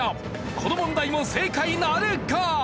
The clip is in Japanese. この問題も正解なるか！？